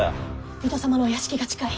水戸様のお屋敷が近い。